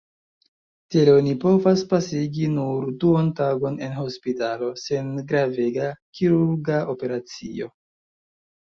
Tiel oni povas pasigi nur duontagon en hospitalo, sen gravega kirurga operacio.